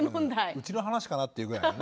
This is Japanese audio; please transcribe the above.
うちの話かなっていうぐらいのね。